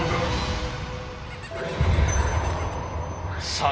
さあ